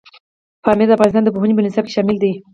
پامیر د افغانستان د پوهنې په نصاب کې شامل دی.